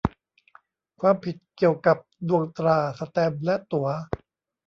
ความผิดเกี่ยวกับดวงตรา แสตมป์และตั๋ว